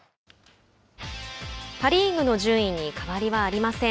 パ・リーグの順位に変わりはありません。